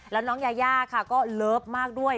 แล้วน้องยายาค่ะก็เลิฟมากด้วย